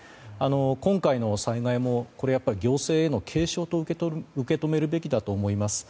今回の災害も、行政への警鐘と受け止めるべきだと思います。